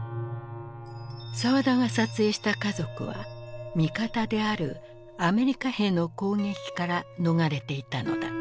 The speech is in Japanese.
沢田が撮影した家族は味方であるアメリカ兵の攻撃から逃れていたのだ。